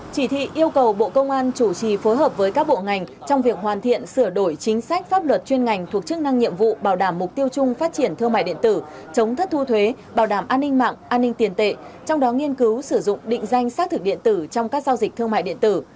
chỉ thị yêu cầu bộ công an chủ trì phối hợp với các bộ ngành trong việc hoàn thiện sửa đổi chính sách pháp luật chuyên ngành thuộc chức năng nhiệm vụ bảo đảm mục tiêu chung phát triển thương mại điện tử chống thất thu thuế bảo đảm an ninh mạng an ninh tiền tệ trong đó nghiên cứu sử dụng định danh xác thực điện tử trong các giao dịch thương mại điện tử